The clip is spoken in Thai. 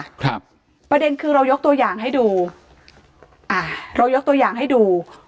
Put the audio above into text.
ครับประเด็นคือเรายกตัวอย่างให้ดูอ่าเรายกตัวอย่างให้ดู